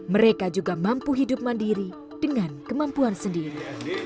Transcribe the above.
mereka juga mampu hidup mandiri dengan kemampuan sendiri